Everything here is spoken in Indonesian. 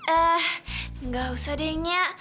eh gak usah deh nya